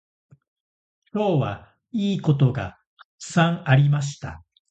今日はいいことがたくさんありました。